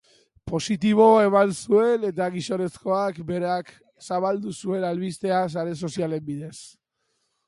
Positibo eman zuen eta gizonezkoak berak zabaldu zuen albistea sare-sozialen bidez.